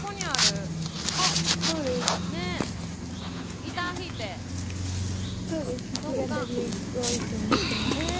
あそうです。ね。